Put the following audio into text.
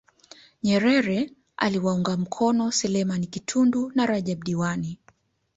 Nyerere aliwaunga mkono Selemani Kitundu na Rajab Diwani